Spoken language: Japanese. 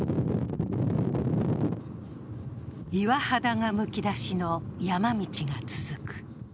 岩肌がむき出しの山道が続く。